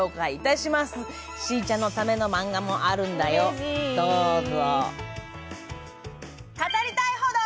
しーちゃんのためのマンガもあるんだよ、どうぞ。